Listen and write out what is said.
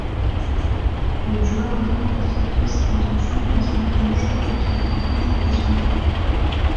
Le joueur livre très tôt ses intentions concernant le choix de carrière international.